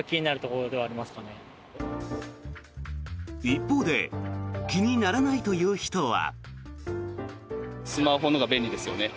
一方で気にならないという人は。